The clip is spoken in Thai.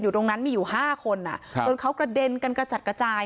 ตรงนั้นมีอยู่๕คนจนเขากระเด็นกันกระจัดกระจาย